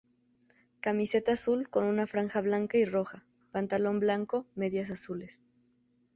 Camiseta azul con una franja blanca y roja, pantalón blanco, medias azules.